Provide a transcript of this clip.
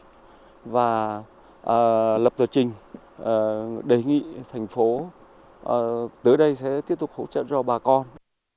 chúng tôi lập tờ trình đề nghị thành phố tới đây sẽ tiếp tục hỗ trợ cho bà con